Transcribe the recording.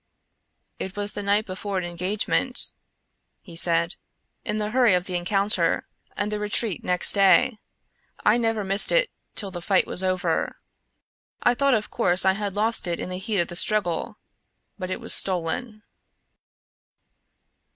"It was the night before an engagement," he said. "In the hurry of the encounter, and the retreat next day, I never missed it till the fight was over. I thought of course I had lost it in the heat of the struggle, but it was stolen."